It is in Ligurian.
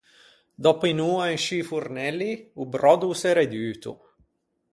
Dòppo unn’oa in scî fornelli o bròddo o s’é reduto.